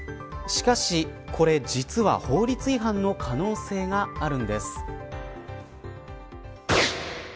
しかし、これ実は法律違反の可能性があるんです。